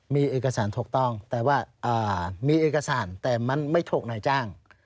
มีเอกสารถูกต้องแต่ว่ามีเอกสารแต่มันไม่ถูกนายจ้าง